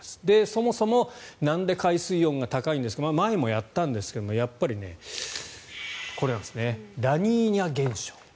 そもそもなんで海水温が高いんですか前もやったんですがラニーニャ現象。